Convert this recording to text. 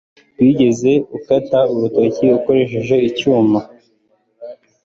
Wigeze ukata urutoki ukoresheje icyuma?